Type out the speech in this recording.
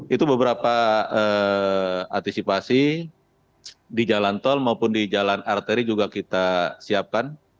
itu beberapa antisipasi di jalan tol maupun di jalan arteri juga kita siapkan